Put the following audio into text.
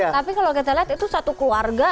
tapi kalau kita lihat itu satu keluarga